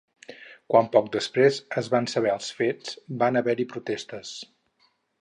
Quan poc després es van saber els fets, va haver-hi protestes.